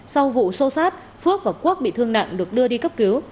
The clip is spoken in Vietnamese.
sau vụ sô sát phước và quốc bị thương nặng được đưa đi cấp cứu